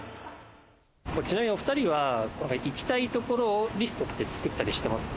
お２人は行きたいところリストって作ったりしてます？